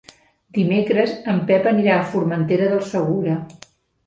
Dimecres en Pep anirà a Formentera del Segura.